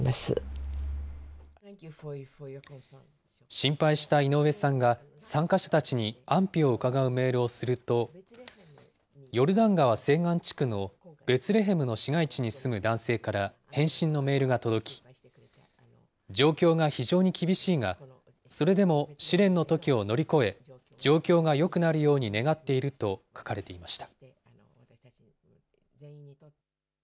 心配した井上さんが、参加者たちに安否を伺うメールをすると、ヨルダン川西岸地区のベツレヘムの市街地に住む男性から返信のメールが届き、状況が非常に厳しいが、それでも試練のときを乗り越え、状況がよくなるように願っていると書かれていました。